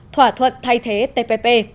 thỏa thuận thay thế tpp